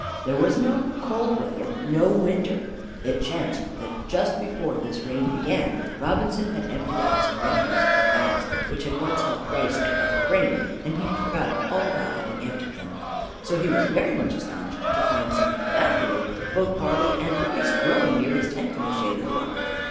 There was no cold weather, no winter. It chanced that just before this first rain began, Robinson had emptied out some refuse from bags which had once held rice, and other grain, and he had forgotten all about having emptied them. So he was very much astonished to find, some time afterwards, both barley and rice growing near his tent, in the shade of the rock.